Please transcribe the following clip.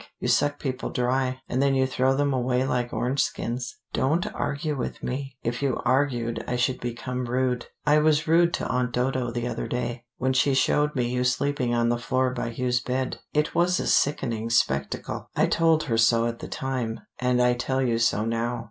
You suck people dry, and then you throw them away like orange skins. Don't argue with me: if you argued I should become rude. I was rude to Aunt Dodo the other day, when she showed me you sleeping on the floor by Hugh's bed. It was a sickening spectacle: I told her so at the time, and I tell you so now."